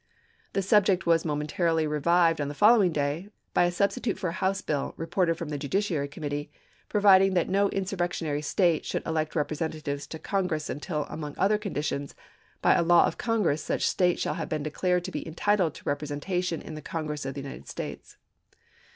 The subject was momentarily re Feb. 2i, vived on the following day, by a substitute for a House bill, reported from the judiciary committee, providing that no insurrectionary State should elect Representatives to Congress until among other conditions " by a law of Congress such State shall have been declared to be entitled to represen »Giobe," F6b 22 tation in the Congress of the United States."